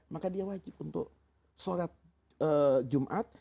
maka dia wajib untuk sholat jumat